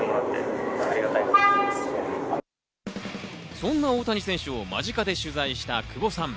そんな大谷選手を間近で取材した久保さん。